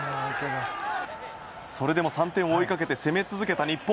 それでも３点を追いかけて攻め続けた日本。